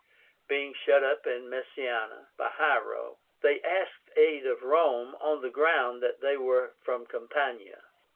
Being shut up in Messána by Hiero, they asked aid of Rome on the ground that they were from Campania.